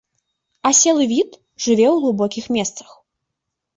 Аселы від, жыве ў глыбокіх месцах.